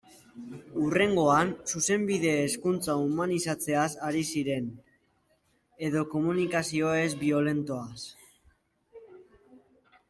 Hurrengoan, Zuzenbide-hezkuntza humanizatzeaz ari ziren, edo komunikazio ez-biolentoaz...